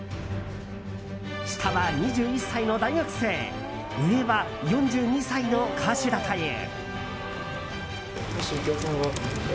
下は２１歳の大学生上は４２歳の歌手だという。